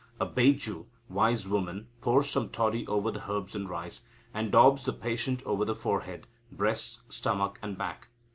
A Beju (wise woman) pours some toddy over the herbs and rice, and daubs the patient over the forehead, breasts, stomach, and back.